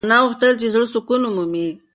انا غوښتل چې د زړه سکون ومومي.